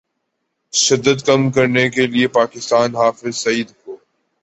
شدت کم کرنے کے لیے پاکستان حافظ سعید کو